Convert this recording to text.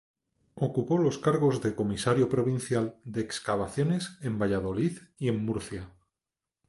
Ocupó los cargos de Comisario Provincial de Excavaciones en Valladolid y en Murcia.